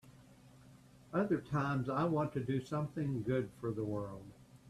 Other times I want to do something good for the world.